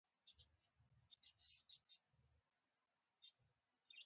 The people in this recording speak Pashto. هغوی دې د خپلو میزایلونو نوم دې بدل کړي.